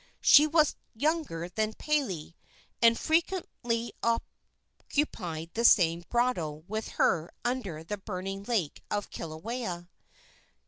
She was younger than Pele, and frequently occupied the same grotto with her under the burning lake of Kilauea.